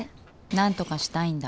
なんとかしたいんだ？